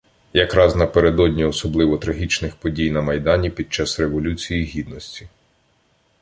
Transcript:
якраз напередодні особливо трагічних подій на Майдані під час Революції Гідності